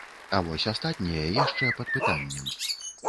А вось астатняе яшчэ пад пытаннем.